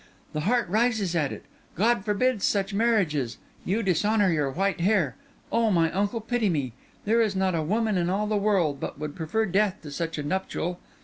The heart rises at it; God forbids such marriages; you dishonour your white hair. Oh, my uncle, pity me! There is not a woman in all the world but would prefer death to such a nuptial.